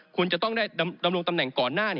คุณจะต้องได้ดำรงตำแหน่งก่อนหน้า